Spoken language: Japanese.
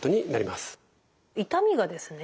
痛みがですね